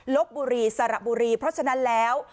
ลบบุรีสระบุรีเพราะฉะนั้นแล้ว